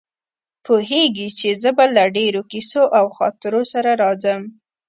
پوهېږي چې زه به له ډېرو کیسو او خاطرو سره راځم.